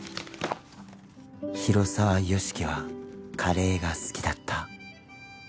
「広沢由樹はカレーが好きだった」